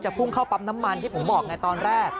พุ่งเข้าปั๊มน้ำมันที่ผมบอกไงตอนแรก